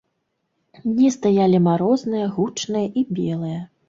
Дні стаялі марозныя, гучныя і белыя.